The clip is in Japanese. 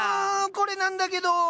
これなんだけど。